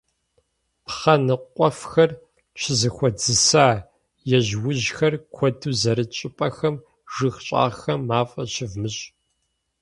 Пхъэ ныкъуэфхэр щызэхуэдзыса, ежьужьхэр куэду зэрыт щӀыпӀэхэм, жыг щӀагъхэм мафӀэ щывмыщӀ.